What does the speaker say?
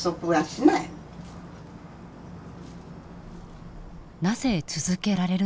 なぜ続けられるのか？